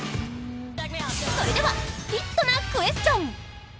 それではヒットなクエスチョン。